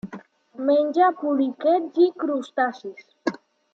Menja poliquets i crustacis.